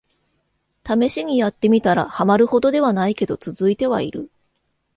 ためしにやってみたら、ハマるほどではないけど続いてはいる